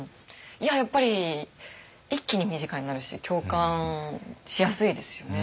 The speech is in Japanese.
やっぱり一気に身近になるし共感しやすいですよね。